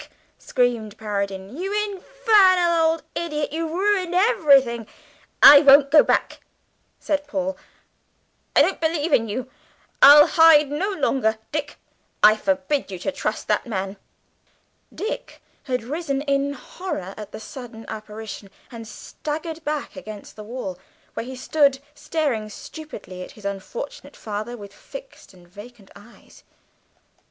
screamed Paradine. "You infernal old idiot, you've ruined everything!" "I won't go back," said Paul, "I don't believe in you. I'll hide no longer. Dick, I forbid you to trust that man." Dick had risen in horror at the sudden apparition, and staggered back against the wall, where he stood staring stupidly at his unfortunate father with fixed and vacant eyes.